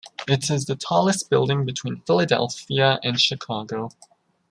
It is the tallest building between Philadelphia and Chicago.